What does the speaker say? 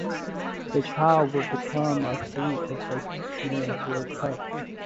The child would become a thief if its nails were cut.